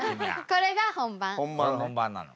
これ本番なの？